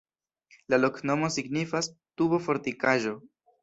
La loknomo signifas: tubo-fortikaĵo.